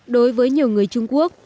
đối với nhiều người trung quốc